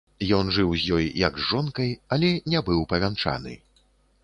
Ён жыў з ёй як з жонкай, але не быў павянчаны.